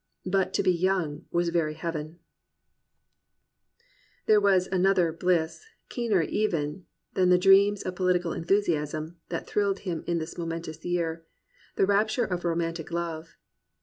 But to be young was very heaven !" There was another "bliss," keener even than the dreams of political enthusiasm, that thrilled him in this momentous year, — the rapture of romantic love.